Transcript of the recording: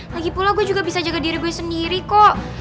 lagipula gue juga bisa jaga diri gue sendiri kok